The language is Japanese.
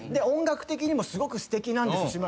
音楽的にもすごくすてきなんです。